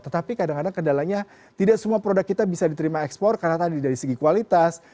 tetapi kadang kadang kendalanya tidak semua produk kita bisa diterima ekspor karena tadi dari segi kualitas